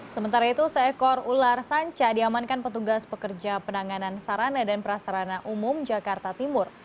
sementara itu seekor ular sanca diamankan petugas pekerja penanganan sarana dan prasarana umum jakarta timur